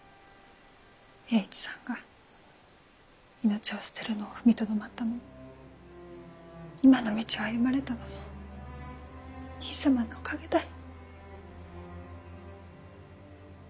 栄一さんが命を捨てるのを踏みとどまったのも今の道を歩まれたのも兄さまのおかげだい。